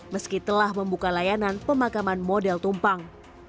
meski telah membuka layanan pemakaman model tumpang